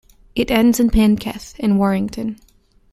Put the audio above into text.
It ends in Penketh in Warrington.